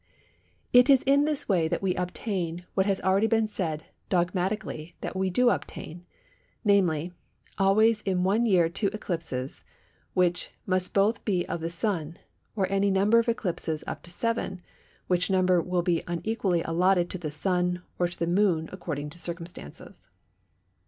It is in this way that we obtain what it has already been said dogmatically that we do obtain; namely, always in one year two eclipses, which must be both of the Sun, or any number of eclipses up to seven, which number will be unequally allotted to the Sun or to the Moon according to circumstances.